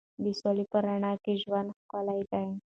د سولې په رڼا کې ژوند ښکلی دی.